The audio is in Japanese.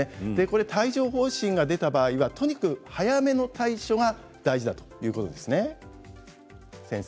帯状ほう疹が出た場合はとにかく早めの対処がそうですね。